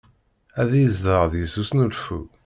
Ad yezder deg-s usnulfu.